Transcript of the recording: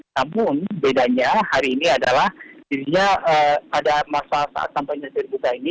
namun bedanya hari ini adalah dirinya pada masa saat sampai nyetir buka ini